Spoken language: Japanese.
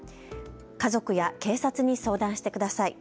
家族や警察に相談してください。